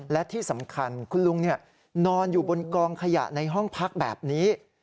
และที่สำคัญคุณลุงนอนอยู่บนกองขยะในห้องพักแบบนี้